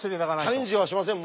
チャレンジはしません